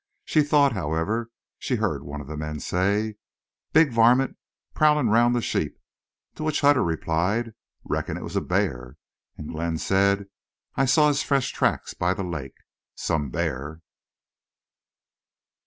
She thought, however, she heard one of the men say, "Big varmint prowlin' round the sheep." To which Hutter replied, "Reckon it was a bear." And Glenn said, "I saw his fresh track by the lake. Some bear!"